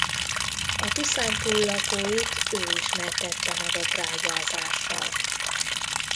A Tiszántúl lakóit ő ismertette meg a trágyázással.